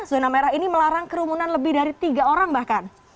zona merah ini melarang kerumunan lebih dari tiga orang bahkan